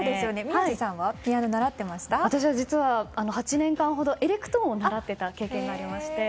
宮司さんは私は実は８年間ほどエレクトーンを習っていた経験がありまして。